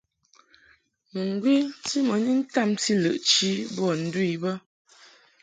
Muŋgwi ti mɨ ni ntamti lɨʼ boa ndu I bə.